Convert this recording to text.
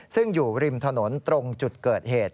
ซึ่งอยู่ริมถนนตรงจุดเกิดเหตุ